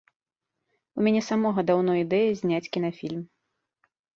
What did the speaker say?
У мяне самога даўно ідэя зняць кінафільм.